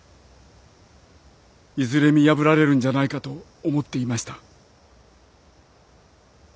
いずれ見破られるんじゃないかと思っていました。